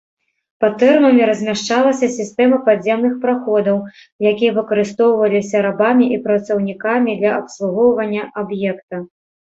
Пад тэрмамі размяшчалася сістэма падземных праходаў, якія выкарыстоўваюцца рабамі і працаўнікамі для абслугоўвання аб'екта.